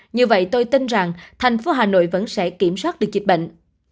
như vậy tôi tin rằng thành phố hà nội vẫn sẽ kiểm soát được dịch bệnh